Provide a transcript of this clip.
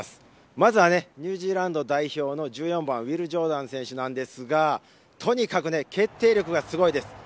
まずはニュージーランド代表の１４番ウィル・ジョーダン選手なんですが、とにかく決定力がすごいです。